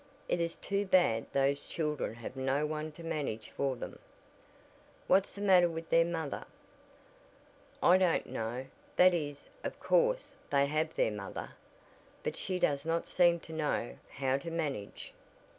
It is too bad those children have no one to manage for them." "What's the matter with their mother?" "I don't know that is of course they have their mother, but she does not seem to know how to manage."